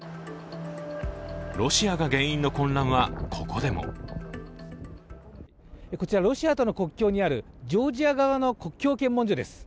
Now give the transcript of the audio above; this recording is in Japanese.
ロシアが原因の混乱は、ここでもこちら、ロシアとの国境にあるジョージア側の国境検問所です。